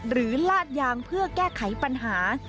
ลาดยางเพื่อแก้ไขปัญหา